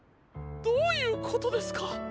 どういうことですか？